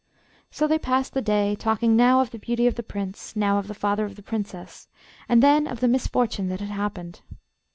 So they passed the day, talking now of the beauty of the Prince, now of the father of the Princess, and then of the misfortune that had happened.